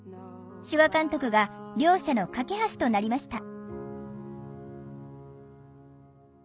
手話監督が両者の懸け橋となりました。